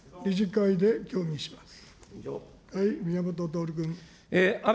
会で協議します。